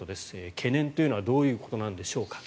懸念というのはどういうことなんでしょうか。